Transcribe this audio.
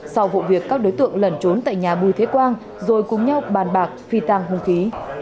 sau vụ việc các đối tượng lẩn trốn tại nhà bùi thế quang rồi cùng nhau bàn bạc phi tàng hùng khí